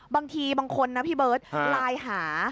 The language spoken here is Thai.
บางทีบางคนนะพี่เบิร์ตไลน์หา